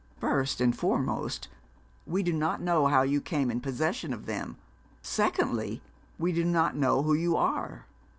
'First and foremost, we do not know how you came in possession of them; secondly, we do not know who you are.'